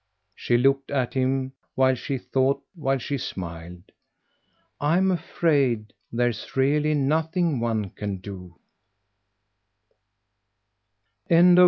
She looked at him while she thought, while she smiled. "I'm afraid there's really nothing one can do."